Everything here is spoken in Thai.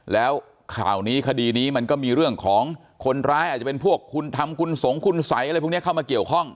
แล้วข่าวนี้คดีนี้มันก็มีเรื่องของคนร้ายอาจจะเป็นพวกคุณทำคุณสงคุณสัยอะไรพวกนี้เข้ามาเกี่ยวข้อง